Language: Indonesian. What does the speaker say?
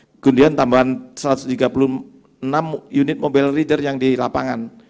kemudian tambahan satu ratus tiga puluh enam unit mobile reader yang di lapangan